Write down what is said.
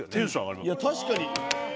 いや確かに。